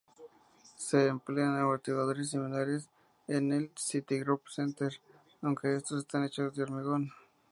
Se emplean amortiguadores similares en el Citigroup Center, aunque estos están hechos de hormigón.